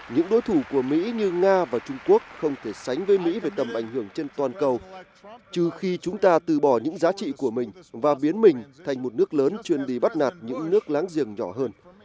những đối thủ của mỹ như nga và trung quốc không thể sánh với mỹ về tầm ảnh hưởng trên toàn cầu trừ khi chúng ta từ bỏ những giá trị của mình và biến mình thành một nước lớn chuyên đi bắt nạt những nước láng giềng nhỏ hơn